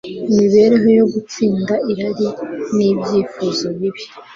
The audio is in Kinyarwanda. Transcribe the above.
imibereho yo gutsinda irari nibyifuzo bibi